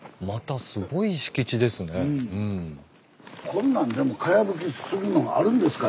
こんなんでもかやぶきするのがあるんですか